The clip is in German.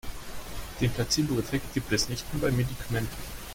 Den Placeboeffekt gibt es nicht nur bei Medikamenten.